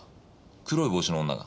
黒い帽子の女が。